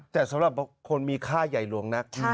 แต่สำหรับคนมีค่าใหญ่หลวงนัก